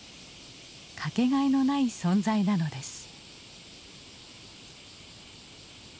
かけがえのない存在なのです。